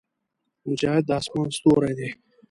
مجاهد د اسمان ستوری دی.